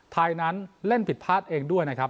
ไทยนั้นเล่นผิดพลาดเองด้วยนะครับ